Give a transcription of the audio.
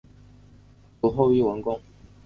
卒后谥文恭。